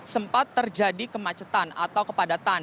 sempat terjadi kemacetan atau kepadatan